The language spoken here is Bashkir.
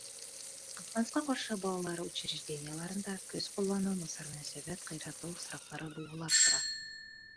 Ҡыҙғанысҡа ҡаршы, балалар учреждениеларында көс ҡулланыу, насар мөнәсәбәт, ҡыйырһытыу осраҡтары булғылап тора.